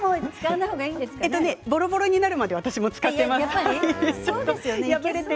ぼろぼろになるまで私も使っています。